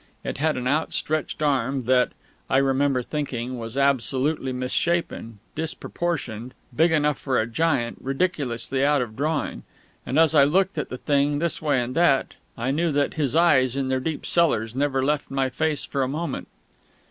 It had an outstretched arm that, I remember thinking, was absolutely misshapen disproportioned, big enough for a giant, ridiculously out of drawing. And as I looked at the thing this way and that, I knew that his eyes in their deep cellars never left my face for a moment.